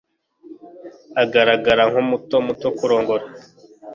Agaragara nkumuto muto kurongora.